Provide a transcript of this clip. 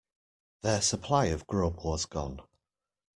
Their supply of grub was gone.